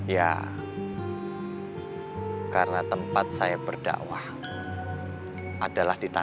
ya karena tempat saya berdakwah adalah di tanah